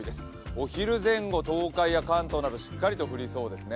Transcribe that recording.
お昼前後、東海や関東などしっかりと降りそうですね。